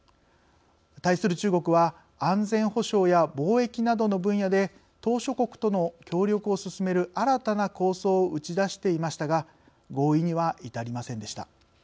対する中国は安全保障や貿易などの分野で島しょ国との協力を進める新たな構想を打ち出していましたが合意には至りませんでした。